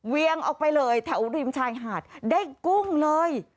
เวียงออกไปเลยแถวริมชายหาดได้กุ้งเลย